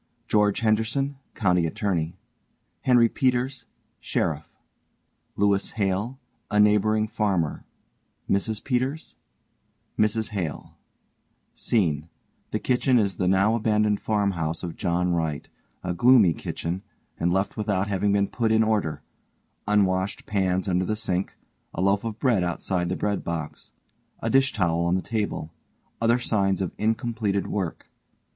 GEORGE HENDERSON (County Attorney) HENRY PETERS (Sheriff) LEWIS HALE, A neighboring farmer MRS PETERS MRS HALE SCENE: The kitchen is the now abandoned farmhouse of JOHN WRIGHT, _a gloomy kitchen, and left without having been put in order unwashed pans under the sink, a loaf of bread outside the bread box, a dish towel on the table other signs of incompleted work.